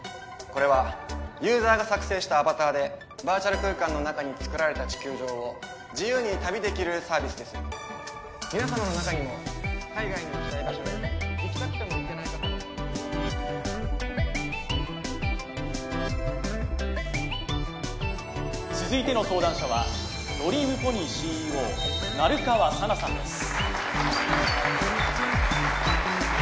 これはユーザーが作成したアバターでバーチャル空間の中につくられた地球上を自由に旅できるサービスです皆様の中にも海外の行きたい場所に行きたくても行けない方も続いての登壇者はドリームポニーＣＥＯ成川佐奈さんです